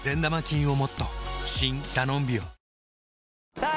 さあ